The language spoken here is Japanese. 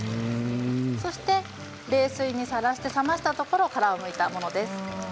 そして冷水にさらして冷ましたところを殻をむいたものです。